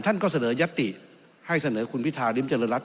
ท่านก็เสนอยัตติให้เสนอคุณพิธาริมเจริญรัฐ